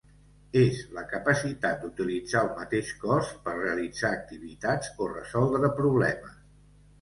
És la capacitat d'utilitzar el mateix cos per realitzar activitats o resoldre problemes.